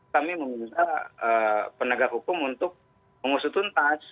kami meminta penegak hukum untuk mengusutun touch